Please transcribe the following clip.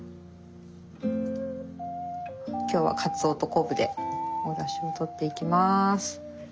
今日はかつおと昆布でおだしをとっていきます。